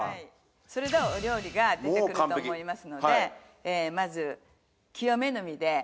それではお料理が出てくると思いますのでまず。